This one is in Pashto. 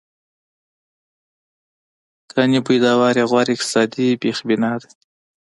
کانې پیداوار یې غوره اقتصادي بېخبنا ده.